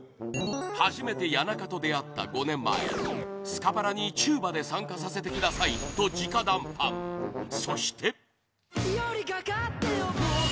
初めて谷中と出会った５年前スカパラにチューバで参加させてください！と直談判そして